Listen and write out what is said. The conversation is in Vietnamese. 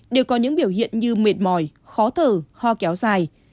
đều có những biểu hiện như mệt mỏi khó thở ho kéo dài